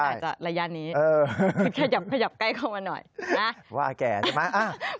อาจจะระยะนี้เออขยับขยับใกล้เข้ามาหน่อยมาว่าแก่มาอ้าว